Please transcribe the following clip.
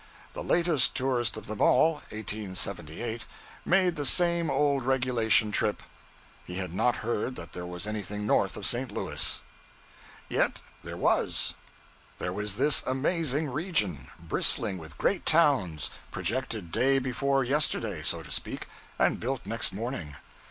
The latest tourist of them all (1878) made the same old regulation trip he had not heard that there was anything north of St. Louis. Yet there was. There was this amazing region, bristling with great towns, projected day before yesterday, so to speak, and built next morning.